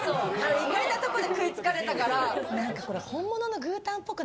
意外なところで食いつかれたから。